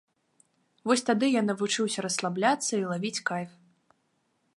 Вось тады я навучыўся расслабляцца і лавіць кайф.